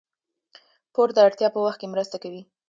پور د اړتیا په وخت کې مرسته کوي.